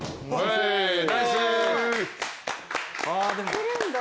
いけるんだ。